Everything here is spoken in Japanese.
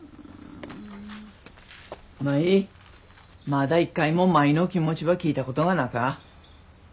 まだ一回も舞の気持ちば聞いたことがなか。